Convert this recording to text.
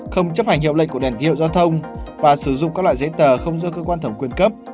không chấp hành hiệu lệnh của đèn hiệu giao thông và sử dụng các loại giấy tờ không do cơ quan thẩm quyền cấp